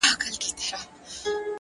مثبت ذهن نوې دروازې ویني؛